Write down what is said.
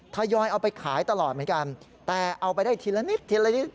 ทยอยเอาไปขายตลอดเหมือนกันแต่เอาไปได้ทีละนิดทีละนิด